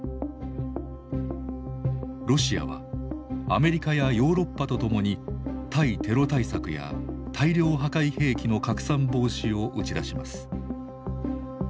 ロシアはアメリカやヨーロッパと共に「対テロ対策」や「大量破壊兵器の拡散防止」を打ち出します。